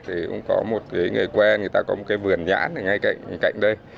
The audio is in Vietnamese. thì cũng có một nghề quen người ta có một cái vườn nhãn ở ngay cạnh đây